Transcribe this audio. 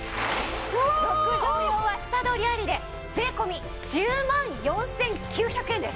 ６畳用は下取りありで税込１０万４９００円です。